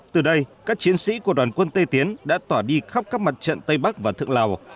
từ đây các chiến sĩ của đoàn quân tây tiến đã tỏa đi khắp các mặt trận tây bắc và thượng lào